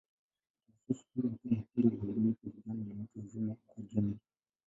Taasisi hii hutoa mafunzo mbalimbali kwa vijana na watu wazima kwa ujumla.